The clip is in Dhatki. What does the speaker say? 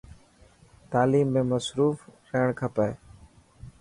تعليم ۾ مصروف رهڻ کپي.